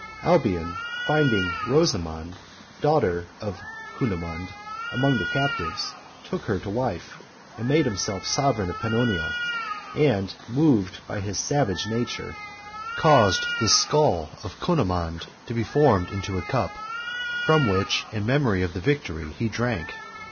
Alboin finding Rosamond, daughter of Cunimund, among the captives, took her to wife, and made himself sovereign of Pannonia; and, moved by his savage nature, caused the skull of Cunimund to be formed into a cup, from which, in memory of the victory, he drank.